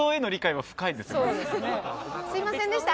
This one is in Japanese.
すみませんでした。